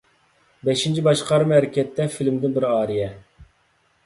«بەشىنچى باشقارما ھەرىكەتتە» فىلىمىدىن بىر ئارىيە.